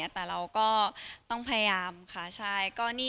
แต่เราก็ต้องพยายามค่ะ